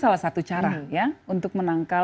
salah satu cara ya untuk menangkal